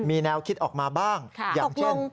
มีแนวคิดออกมาบ้างอย่างเช่น